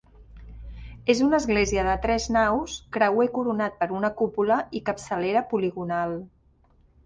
És una església de tres naus, creuer coronat per una cúpula i capçalera poligonal.